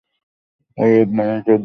ওয়েড, মনোযোগ দাও।